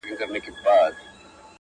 خدای راکړې هره ورځ تازه هوا وه!